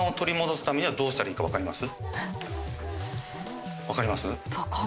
分かります？